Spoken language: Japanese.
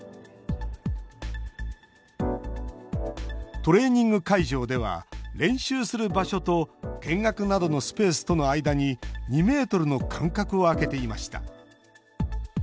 トレーニング会場では練習する場所と見学などのスペースとの間に２ｍの間隔を空けていました。